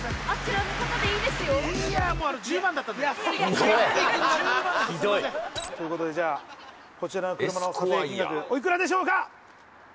１０万ですいませんということでじゃあこちらの車の査定金額おいくらでしょうか？